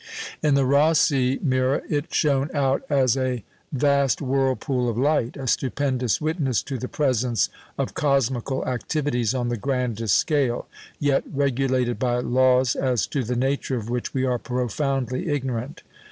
In the Rosse mirror it shone out as a vast whirlpool of light a stupendous witness to the presence of cosmical activities on the grandest scale, yet regulated by laws as to the nature of which we are profoundly ignorant.